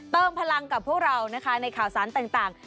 เติมพลังกับพวกเรานะคะในข่าวสารต่าง